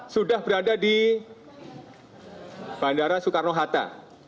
sudah berada di bandara soekarno hatta